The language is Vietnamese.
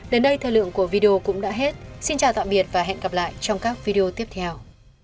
đến đây thời lượng của video cũng đã hết xin chào tạm biệt và hẹn gặp lại trong các video tiếp theo